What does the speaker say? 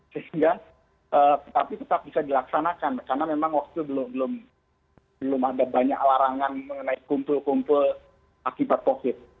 sehingga tetapi tetap bisa dilaksanakan karena memang waktu itu belum ada banyak larangan mengenai kumpul kumpul akibat covid